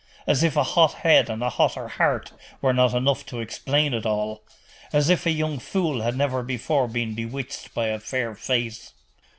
As if a hot head and a hotter heart were not enough to explain it all! As if a young fool had never before been bewitched by a fair face!